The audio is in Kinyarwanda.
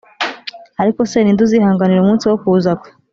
Ariko se ni nde uzihanganira umunsi wo kuza kwe